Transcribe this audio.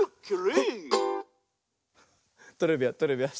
トレビアントレビアン。